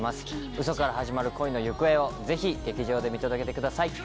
ウソから始まる恋の行方をぜひ劇場で見届けてください。